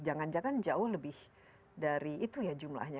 jangan jangan jauh lebih dari itu ya jumlahnya